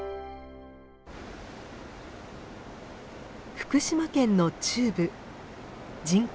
福島県の中部人口